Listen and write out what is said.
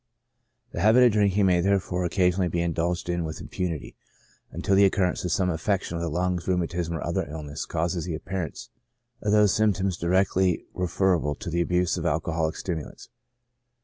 The habit of drinking may therefore occasionally be indulged in with impunity, until the occurence of some affection of the lungs, or rheumatism, or another illness, causes the appear ance of those symptoms directly referable to the abuse of alcoholic stimulants.